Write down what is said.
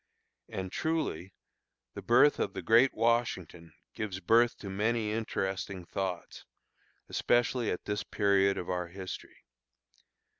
And truly, the birth of the great Washington gives birth to many interesting thoughts, especially at this period of our history.